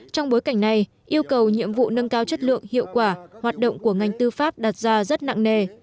trong bối cảnh này yêu cầu nhiệm vụ nâng cao chất lượng hiệu quả hoạt động của ngành tư pháp đặt ra rất nặng nề